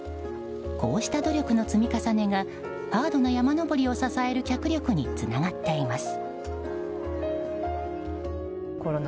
こうした努力の積み重ねがハードな山登りを支える脚力につながっています。